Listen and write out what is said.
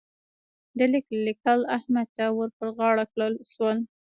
د ليک لیکل احمد ته ور پر غاړه کړل شول.